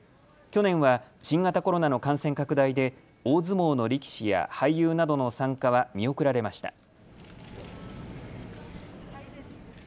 去年は新型コロナの感染拡大で大相撲の力士や俳優などの参加は見送られました。